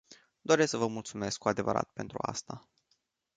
Doresc să vă mulțumesc cu adevărat pentru asta.